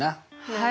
はい。